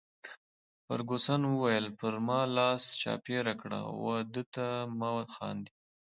فرګوسن وویل: پر ما لاس چاپیره کړه، وه ده ته مه خاندي.